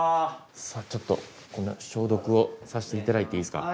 さあちょっと消毒をさせていただいていいですか？